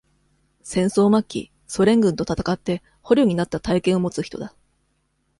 戦争末期、ソ連軍と戦って、捕虜になった体験を持つ人だ。